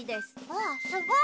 わっすごい。